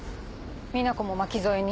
みな子も巻き添えに？